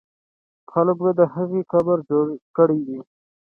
خلکو به د هغې قبر جوړ کړی وي.